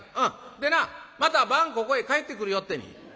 でなまた晩ここへ帰ってくるよってに。